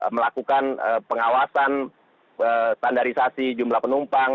melakukan pengawasan standarisasi jumlah penumpang